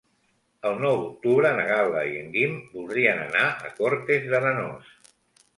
El nou d'octubre na Gal·la i en Guim voldrien anar a Cortes d'Arenós.